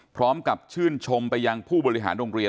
พร้อมกับชื่นชมไปยังผู้บริหารโรงเรียน